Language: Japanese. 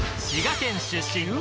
滋賀県出身